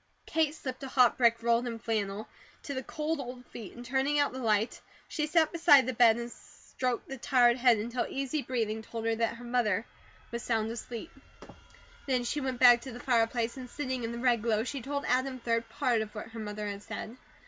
Kate slipped a hot brick rolled in flannel to the cold old feet, and turning out the light she sat beside the bed and stroked the tired head until easy breathing told her that her mother was sound asleep. Then she went back to the fireplace and sitting in the red glow she told Adam, 3d, PART of what her mother had said.